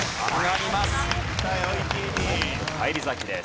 返り咲きです。